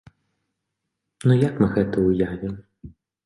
Ну як мы гэта ўявім?